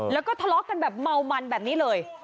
แล้วก็ทะเลาะกันแบบเมามันแบบนี้เลย